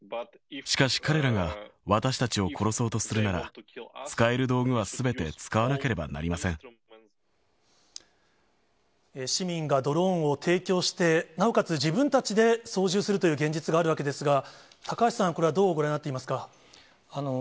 しかし、彼らが私たちを殺そうとするなら、使える道具はすべて使市民がドローンを提供して、なおかつ自分たちで操縦するという現実があるわけですが、高橋さん、これはどうご覧になっていますか。